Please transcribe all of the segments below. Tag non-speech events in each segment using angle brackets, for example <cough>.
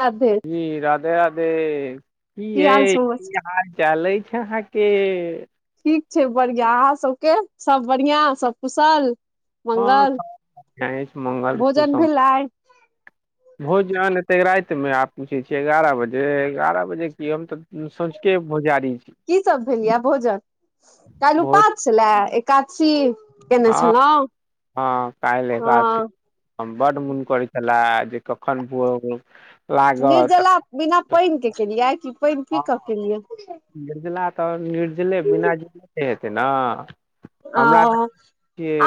राधे कि राधे राधे कि की हाल यै समाच कि हाल चाल अछि अहांके ठीक छै बढ़िया अहाँ सबके सब बढ़ियां सब कुशल हँ मंगल सब बढ़ियां अछि मंगल भोजन भेलै भोज हेतै रातिमे आब पूछै छियै एगारह बजे एगारह बजे कि हम तऽ सँझुके भोजारी छी की सभ भेलैया भोजन काल्हि भोज उपास छलेए एकादशी केने हँ छलहुँ हँ हं काल्हि एकादशी हँ हम बड मोन करय छला जे कखन भोर लागत निर्जला बिना पानि के केलियै कि पानि पी कऽ हँ, केलियै निर्जला तऽ निर्जले बिना जले के हेतै न आं अं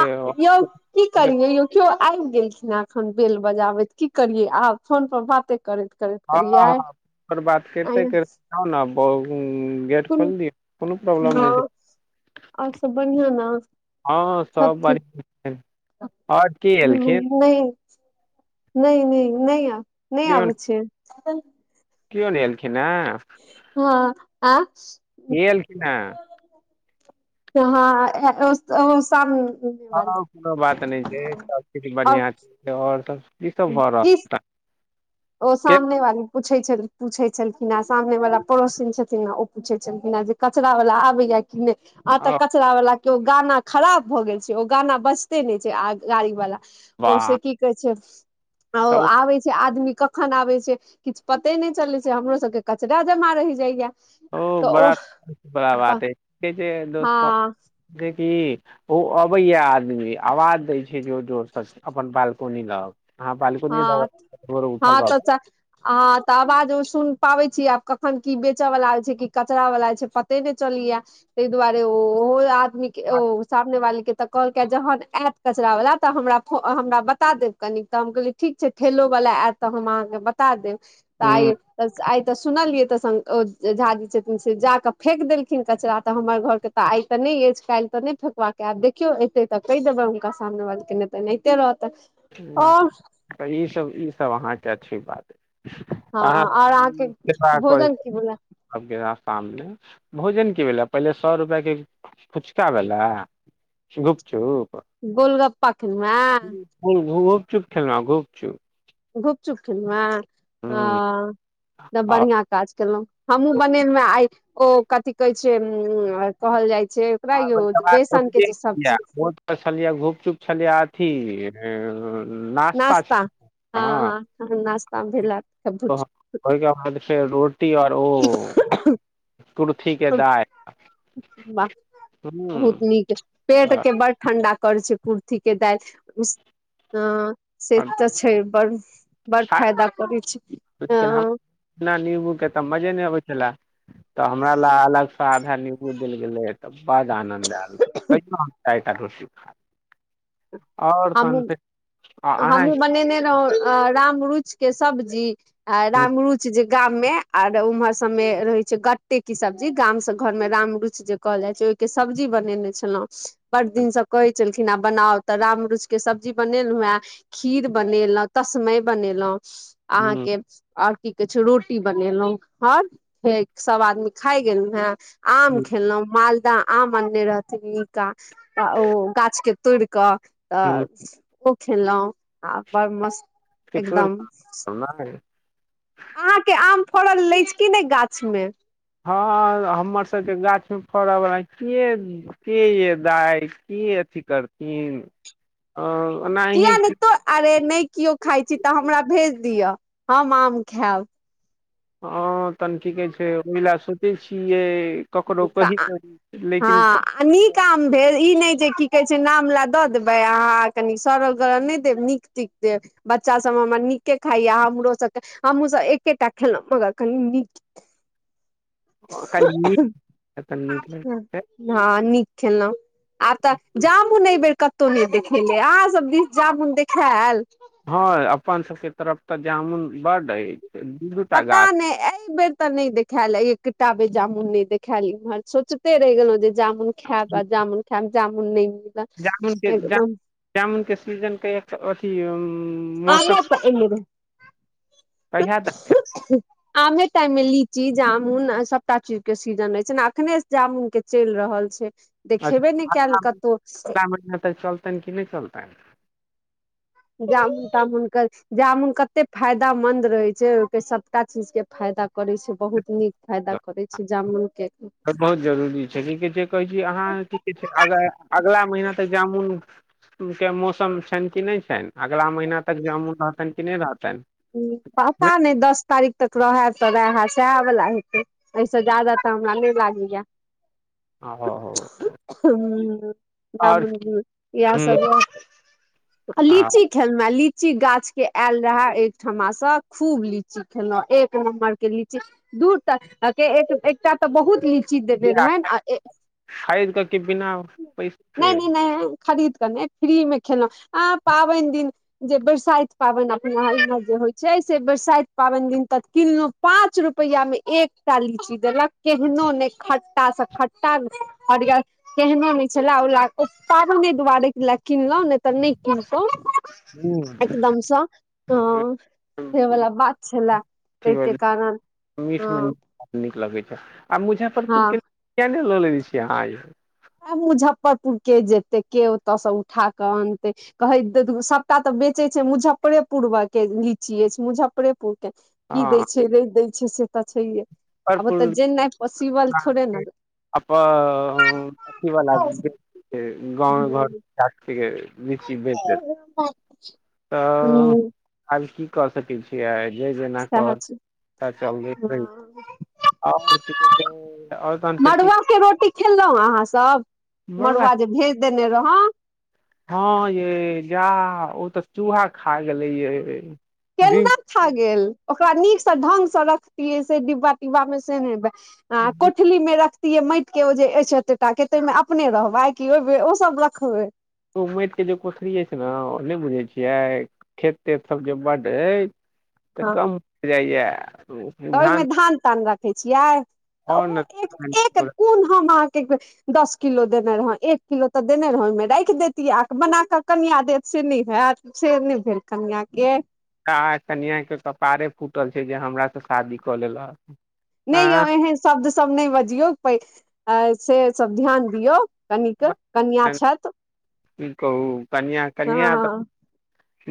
आ यौ की करियै यौ केओ आबि गेलखिन एखन बेल बजाबैत की करियै आब फोन पर बाते करैत करैत हँ करियै हँ ओकर बात करिते आय करिते जौ न गेट कोन खोल दियौ कोनो प्रॉब्लम हँ नहि छै आओर सब बढ़िआँ ने हँ सब बढ़िया आओ नहि नहि नहि नहि नहि नहि केओ आबै छै केओ नहि एलखिन ह हँ आ के एलखिन हेँ हँ ओ सब हँ कोनो बात नहि छै सब चीज आओर बढ़िआ छै आओर सब की सब भऽ रहल छै ओ सामने वाली पूछै पूछै छलखिन ह सामने वला पड़ोसिन छथिन ह ओ पूछै छलखिन हे जे कचरा वाला आबैया कि नहि आ तऽ ओ, कचरा वला केओ गाना खराब भऽ गेल छै ओ गाना बजते नहि छै गाड़ी वाला ओ वाह से की कहै छै आ तऽ ओ आबै छै आदमी कखन आबै छै किछु पते नहि चलै छै हमरो सब के कचरा जमा रहि जाय‌ या ओ बड़ा बड़ा बात हय कहे दोस्तो हँ छि कि ओ अबैया आदमी आवाज दै छै जोर जोरसँ अपन बालकोनी म औउ हँ बालकोनी ल भोरे भोरे उठल रहबै आ तऽ आवाज ओ सुन पाबै छीय आब कखन की बेचैय वाला छै क कचरा वाला छै पते नहि चलैय तही दुआरे ओहो आदमीक ओ सामने वालीके तऽ कहलकै जहन आयत कचरावला तऽ हमरा हमरा बता देब कनि तऽ हम कहलियै ठीक छै ठेलो वला आयत तऽ हम अहाँके बता देब हूँ आय तऽ सुनलियै तऽ झाजी छथिन से जाकऽ फेक देलखिन कचरा तऽ हमर घरके तऽ आइ तऽ नहि अछि काल्हि तऽ नहि फेकबाक के आब देखियौ एतै तऽ कहि देबै हुनका सामने वाली के तऽ अनाहिते रहतनि नहि आओर तऽ ईसभ ईसभ अहाँके अछि बात हँ अहाँ आओर अहाँके केना करै भोजन छै की भेलै आबके शामने भोजन की भेलै पहिले सौ रुपैयाके फुचका भेलै गुप चूप गोलगप्पा खेलौ हें घुपचुप खेलौ घुपचुप घुपचुप खेलौ हुँ हें तब आ बढ़िया काज केलौ हमहुँ बनेेल में आय ओ कथि कहै छै उ कहल जाय छै ओकरा आ यौ ओहि समवाद बेसन के ओतबे जे छै सब्जी बहुत छलियै घुपचुप छलियै अथी नास्ता छलै हँ ह नास्तामे भेल सबकुछ ओहिके बाद फेर रोटी आओर ओ कुर्थी के दालि वाह बहुत नीक पेट के बड़ ठण्डा करै छै कुर्थीक के दालि ह से तऽ छै बड़ बड़ फायदा करै छै लेकिन हमरा ह बिना निम्बू के तऽ मजे नहि अबै छल तऽ हमरा ला अलग से आधा नीम्बू देल गेलै तब बड आनन्द आयल तहियो हम चारिटा रोटी आओर तहन हमहुँ फेर अहाँ हमूँ बनेने रहौ अ राम रुच के सब्जी आ हुं रामरुच जे गाम में आर उम्हर सब मे रहे छै गट्टे की सब्जी गाम से घर मे राम रुच जे कहल जाय छै ओहिके सब्जी बनेने छलौ बड़ दिनसँ कहै छलखिन आ बनाउ तऽ राम रूच के सब्जी बनेलौ हे खीर बनेलौ तस्मै बनेलौ हुं अहाँके आओर की कहै छै रोटी बनेलौ हँ फेर सब आदमी खाय गेलौ हें आम हुं खेलौ मालदह आम आनने रहथिन नीक आ ओ गाछ के तोड़िकऽ हुं अऽ ओ खेलौ आ बड़ मस्त एकदम <unintelligible> अहाँके आम फड़ल अछि कि नहि गाछ मे हँ हमर सबके गाछ मे फड़ऽ बला के की य दाइ की अथी करथिन ओ ओना किया नहि तो अरे नहि केओ खाय छी तऽ हमरा भेज दिअ हम आम खायब हँ तन की कहै छै ओहि लए सोचै छियै ककरो कही तऽ क कही लेकिन हँ क आ नीक आम भेल ई नहि जे की कहै छै नाम ल दऽ देबै अहाँ कनि सड़ल गरल नहि देब नीक ठिक देब बच्चासभ हमर नीके खायए हमरो सभके हमहूँसभ एकेटा खेलहुँ मगर कनी नीक <unintelligible> हँ नीक खेलहुँ आ तऽ जामुन एहि बेेर कतहु नहि देखेले अहाँ सब दिस जामुन देखेल हँ अपन सबके तरफ तऽ जामुन बड्ड अय पता नहि एहि बेर तऽ नहि देख खयलै एक टाबे जामुन नहि देखेल इम्हर सोचते रहि गेलहु जे जामुन खैब आ जामुन खैब जामुन नहि मिल जामुनके जामु जामुनके सीजनके एक अथी मौसम आमो कहिया तक <unintelligible> आमेे टाइम मे लीची जामुन आ सबटा चीज के सीजन रहय छै ने अखने जामुन के चलि रहल छै <inaudible> देखेबे नहि कयल कतहु चलतनि कि नहि चलतनि जामुन तामुन के जामुन कते फायदामन्द रहैत छै ओहिके सबटा चीज के फायदा करैत छै बहुत नीक फायदा करैत छै जामुन के बहुत जरुररी छै की कहै छै कहै छी अहाँके किछ अगर अगला महिना तऽ जामुन के मौसम छनि कि नहि छनि अगिला महिना तक जामुन रहतनि कि नहि रहतनि पता नहि दस तारीख तक रहय तऽ रहय सएह बला हेतै एहिसे ज्यादा तऽ हमरा नहि लागैये <inaudible> हूंम्म आओर जामुन इएह हुं सब रहतै आ लीची खेलुहें लीची गाछ के आयल रहे ठुमासँ खूब लीची खेलहुँ एक नम्बर के लीची दूर तऽ के एकटा तऽ बहुत नीक ची <unintelligible> देने रहैन आ ए खरीद कऽ के बिना पैसे के नहि नहि नहि खरीद क नै फ्री मे खेलहुँ आ पाबनि दिन जे बरसाइत पाबनि अपना आरीमे जे होइ छै से बरसाइत पाबनि दिन त कहलहुं पाँच रुपैया मे एकटा लीची देलक केहनो नहि खट्टा सँ खट्टा हरियर केहने नहि छले ओइलि <unintelligible> पाबने दुआरे ले किनलहुं नहि तऽ नहि किनतहुं हुं, एकदम सऽ हँ से वला अथी बात छलए ताहिके कारण मीठ मे हँ नीक लगै छै आ मुजफ्फरपुर हँ के कियए ने लऽ लेने छीयै अहाँ आ मुजफ्फरपुर के जेतै के ओतयसँ उठा कऽ अनतै कहै <unintelligible> दे सभटा तऽ बेचै छै मुजफ्फरेपुर के लीची अछि मुजफ्फरेपुर के की दै हँ छै नै दै छै से तऽ छैहे आब भरपूर ओतऽ जेनाइ पॉसिबल अहाँ थोड़े के ने अप <unintelligible> ई बाला <unintelligible> गाँव घर कास <unintelligible> त <unintelligible> तों आज की कऽ सकैत छी जे जेना सएह कहत छै तऽ चलबैत रही आओर तहन फेर की मड़ुआ के रोटी खेलहुँ अहाँ सब बौआ मड़ुआ जे भेज देने रहौं हँ यै जा ओ तऽ चूहा खा गेलै यै जी केना <unintelligible> खा गेल ओकरा नीकसँ ढंगसँ रखतियै से डिब्बा टिब्बामे से नहि आ कोठली मे रख माटि के जे एतेटा के तहिमे अपने रहबै कि ओ ओ सब रखबै ओ माटिके जे कोठरी अछि ने ओ नहि बुझै छियै खेत तेत सभ जे बड्ड अय तऽ हँ कम <unintelligible> हो जाइए तऽ ओहिमे धान तान रखै छियै तऽ आओर ने ओहो एक कोन हम अहाँके दस किलो देने रहौं एक किलो तऽ देने रहौं राखि देैतिय आत बनाक कनियाँ देत से नहि हेत सेे नै भेल कनियाँ के काहाँ कनियाँ के कपारे फूटल छै जे हमरा से शादी कऽ लेलक नहि यौ आँ एहन शब्द सब नहि बजियौ पै से सब ध्यान दियौ कनिक कनियाँ छैत की कहू कनिया कनिया हँ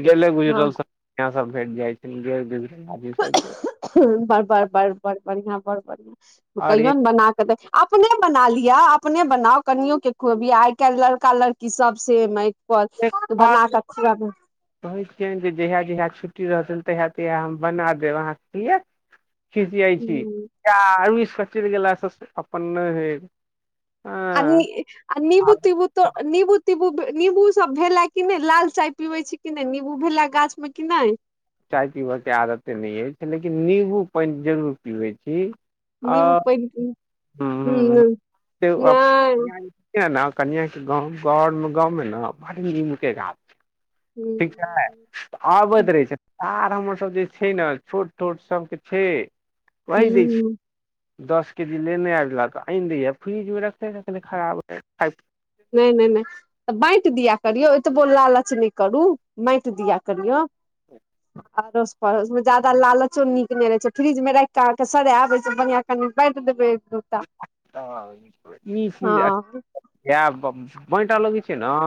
गेले हँ गुजरल सब <unintelligible> य सब भेट जाइ छै गेलगुजरल आदमी सबके बड़ बड़ बड़ बड़ बढ़ियाँ बड़ बढ़ियाँ आओर कहियोन बना कऽ देख अपने बना लिय अपने बनाउ कनियों के खुआबि आइ काल्हि लड़का लड़की सब सेम अइ बस एतेक बना फल के खुआबु कहै छियैन जे जहिया जहिया छुट्टी रहतैन तहिया तहिया हम बना देब अहाँके यै खिशियाइ छी जा <unintelligible> रुसिकऽ चलि गेलासँ अपन नैहर आ नी आ नीबू तीबू तो नीबू तीबू नीबू सब भेला कि नहि लाल चाय पिबे छी कि नहि नीबू भेला गाछ मे कि नहि चाय पीबयके आदते नहि अय लेकिन नीबू पानि जरूर पीबैत छी आ नीबू पानि पी हूँ हूँ क <unintelligible> ने कनिय के गाँव घर मे गाँव मे ने बड़ नीम के गाछ ठीक छै हूँ आबैत रहै छै सार हमर सब जे छै ने छोट छोट सबके छै कही दै छै <unintelligible> दस केजी लेने आबैलैक आनि दैये फ्रिज मे रखले रखले खराब नहि नहि नहि तऽ बाँटि दिया करियौ ओतबो लालच नहि करू बाँटि दिया करियौ ह <inaudible> आरोस परोस उसमे ज्यादा लालच चो नीक नहि रहै छै फ्रिज मे राखिक आहाँ के सड़ॆब ओइसँ बढ़ियाँ कनि बाँटि देबै हच हँ <unintelligible> इए बाँट लगै छै ने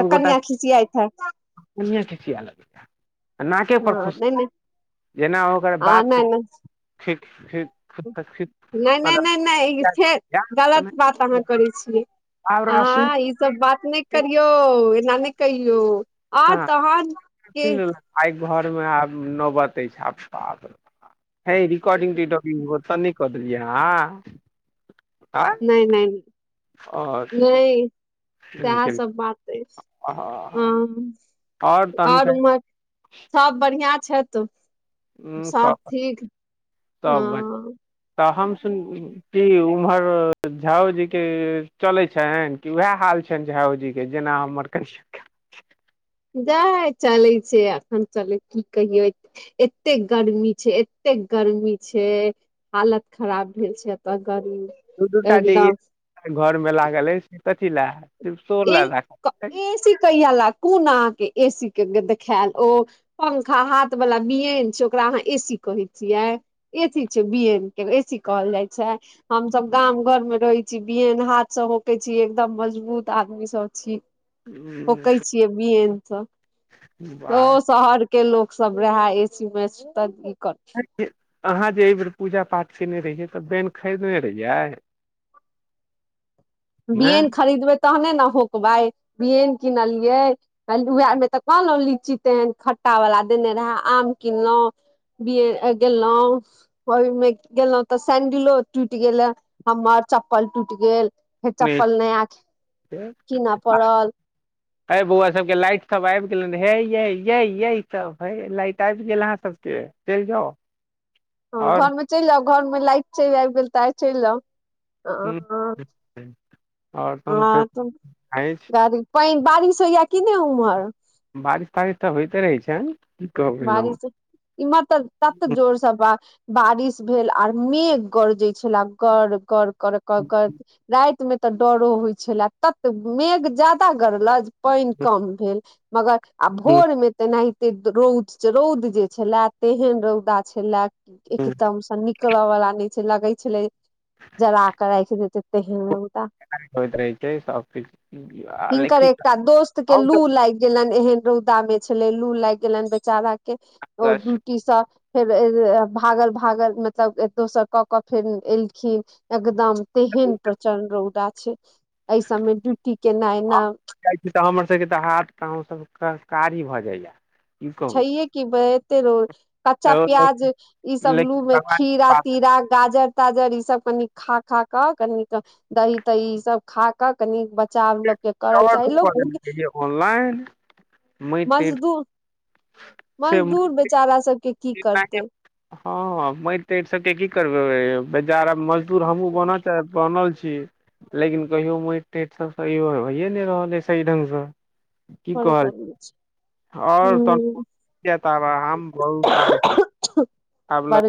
तऽ कनियाँ खिसियाइत हैत कनियें खिसिये लगैये <unintelligible> नाके पर हँ खुश नहि नहि जेना ओकर हँ बाप नहि नहि ठीकक <unintelligible> नहि नहि नहि नहि ई फेर गलत कने बात अहाँ करै छियै आब रासुन अहाँ के सब बात नहि करियौ एना नहि कहियौ आ हँ तहन के सुनि लेल आइ घरमे आब नौबत अछि आब पागल हय रिकॉर्डिंग जे देलिहु ओते नै क देलियै अहाँ नहि नहि अच्छा <unintelligible> सेहै सब बात अइछ हँ आओर तहन और फेर उम सब बढ़ियाँ छैत सब ठीक हँ तहम सुन की उम्हर झाउजी के चलै छैन कि उएह हाल छै झाओ जी के जेना हमर क <unintelligible> जाय चलै छै अखन चलै की कहियै एतेक गर्मी छै एतेक गर्मी छै हालत खराब भेल छै एतऽ गर्मी दू दूटा जे एकदम एक घर मे लागल अइ से कथी लए <unintelligible> राख एक एसी कहिया ल कोन अअहाँके एसी के देखायल ओ पंखा हाथ बला बियेन छै ओकरा अहाँ ए सी कहै छियै एसी छै बी एन के ए सी कहल जाइ छै हम सब गाम घर मे रहै छी बियन हाथ से होके छी एकदम मजबूत तऽ आदमी सब छी ह होकै छियै बियेन सँ ओ वाह शहरके लोक सभ रहै, एसीमे सुतै इकर छै। अहाँ जे पूजा पाठ केने रहियै तऽ बैन खरीदने रहियै। <inaudible> बियेन नहि खरीदबै तहने ने होकबै, बियेन किनलियै। कहल, ओहेरमे तऽ कहलहुँ, लीची तेहन खट्टावला देने रहए, आम किनलहुँ। बी ए कऽ गेलौ। ओहिमे गेलहुँ तऽ सैंडिल टूटि गेलै, हमर चप्पल टूटि गेल। फेर मे चप्पल नया कीनऽ आ पड़ल हँ बौआ, सभके लाइट सभ आबि गेल हे, ये ये ये! सभके लाइट आबि गेल अहाँ सभके? चलि जाउ हँ, आओर घरमे लाइट चलि आबि गेल तऽ आ चलि आउ। हँ, आ तऽ फेर आइतै। पाइन बरीश होइए कि नहि उमर? बारिश तारिश तऽ होयइते रहै छैन बारिश इमर तऽ तत जोर सँ बरिश भेल आ मेघ गरजाइत छलै, गर गर करैत। ककरो लागतमे तऽ डरो होइत छलै, ततेक मेघ बेसी गरजैत छल। पाइन कम भेल, मुदा भोरमे तेहनहि रौद। रौद जे छलै, तेहन रौद छलै, एकदमसँ नीक। नीक लऽवला नहि छै, लगै छलै जरा कऽ राखि देत तेहन रौद। होइत रहै छै सभ ले <unintelligible> गेलै एहन रौदमे छलै, लू लागि गेलै बेचारा के, ओ ड्यूटी से। फेर भागल भागल, मतलब एतऽसँ कऽ कऽ फेर एलखिन। एकदम तेहन प्रचंड रौद छै, एहि सभमे ड्यूटी केना एना? हम जाइ छी तऽ हमर सभके तऽ हाथ पाउ सभ कऽ कारी भऽ जाइए। छै हे कि बैते रोज। कच्चा एगो ले पियाज ई सभ लू लेकिन मे, भगवान खीरा कृपासँ तीरा, गाजर। गाजर ई सभ कनि कनि खा खा कऽ। दही तही ई सभ खा कऽ कनि बचाव लोकके। <unintelligible> ऑनलाइन मट मजदूर मजदूर बेचारा सभके जितना कि <unintelligible> हँ हँ, मैट टैट सभके की करबै, बेजार मजदूर हमहूँ बनल छी। लेकिन कहियो मोटेट सभसँ होइए नहि रहल छै सही ढंगसँ। की बड़ कहल, गर्मी छै। आओर तऽ? हूँ तब हमहूँ बहुत बात आब। बड़